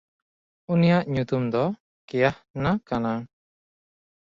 ᱩᱱᱤᱭᱟᱜ ᱧᱩᱛᱩᱢ ᱫᱚ ᱠᱮᱭᱟᱦᱱᱟ ᱠᱟᱱᱟ᱾